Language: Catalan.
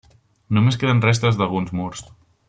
Només queden restes d'alguns murs.